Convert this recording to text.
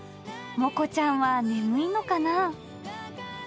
もこちゃんは眠いのかな？